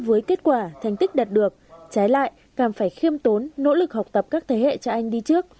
với kết quả thành tích đạt được trái lại càng phải khiêm tốn nỗ lực học tập các thế hệ cha anh đi trước